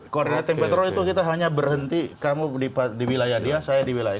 koordinating petrol itu kita hanya berhenti kamu di wilayah dia saya di wilayah